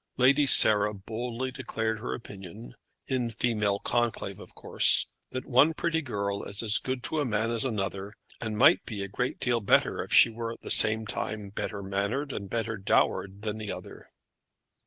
Lady Sarah boldly declared her opinion, in female conclave of course, that one pretty girl is as good to a man as another, and might be a great deal better if she were at the same time better mannered and better dowered than the other.